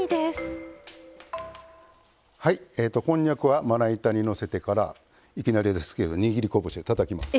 こんにゃくはまな板にのせてからいきなりですけど握り拳でたたきます。